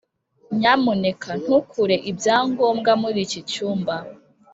nyamuneka ntukure ibyangombwa muri iki cyumba.